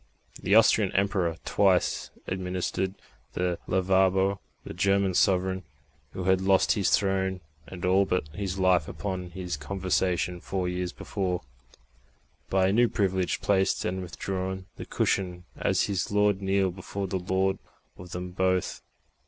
The Austrian Emperor twice administered the Lavabo; the German sovereign, who had lost his throne and all but his life upon his conversion four years before, by a new privilege placed and withdrew the cushion, as his Lord kneeled before the Lord of them both.